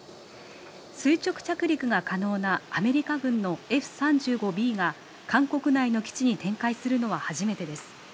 垂直着陸が可能なアメリカ軍のＦ３５Ｂが韓国内の基地に展開するのは初めてです。